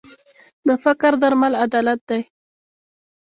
د فقر درمل عدالت دی.